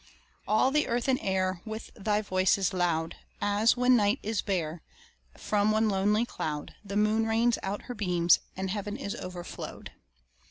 All the earth and air With thy voice is loud, As, when night is bare, From one lonely cloud The moon rains out her beams, and heaven is overflow'd.